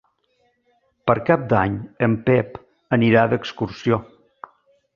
Per Cap d'Any en Pep anirà d'excursió.